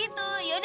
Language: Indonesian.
ya udah enggak gitu